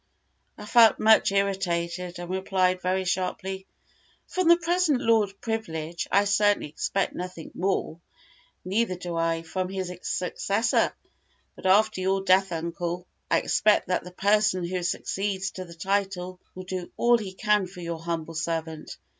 I felt much irritated, and replied very sharply, "From the present Lord Privilege I certainly expect nothing more, neither do I from his successor; but after your death, uncle, I expect that the person who succeeds to the title will do all he can for your humble servant.